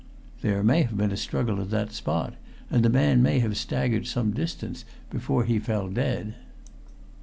"There may have been a struggle at that spot, and the man may have staggered some distance before he fell dead."